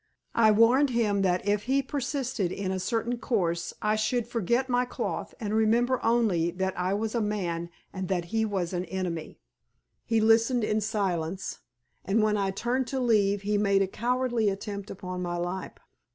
I warned him that if he persisted in a certain course I should forget my cloth, and remember only that I was a man and that he was an enemy. He listened in silence, and when I turned to leave he made a cowardly attempt upon my life.